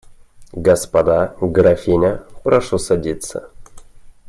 Господа, графиня, прошу садиться.